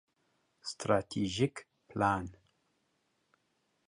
ستراتیژیک پلان